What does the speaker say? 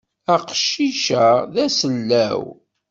Aqcic-a d asellaw.